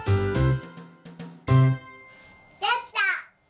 できた！